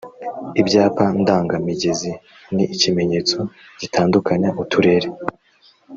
ibyapa ndanga migezi ni ikimenyetso gitandukanya uturere